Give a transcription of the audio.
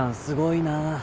すごいな。